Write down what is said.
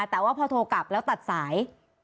แต่ว่าพอโทรกลับแล้วตัดสาย